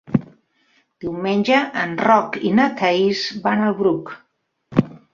Diumenge en Roc i na Thaís van al Bruc.